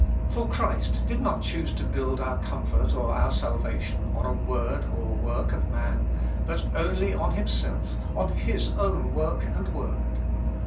For Christ did not choose to build our comfort or our salvation on a word or work of man, but only on himself, on his own work and word.